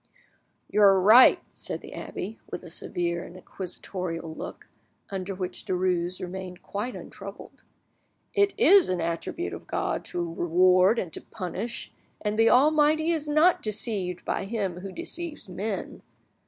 '" "You are right," said the abbe, with a severe and inquisitorial look, under which Derues remained quite untroubled; "it is an attribute of God to reward and to punish, and the Almighty is not deceived by him who deceives men.